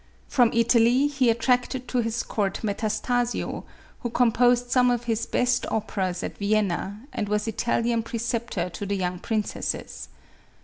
From Italy, he attracted to his court Metastasio, who composed some of his best operas at Vienna, and was Italian preceptor to the young princesses.